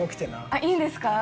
あっいいんですか？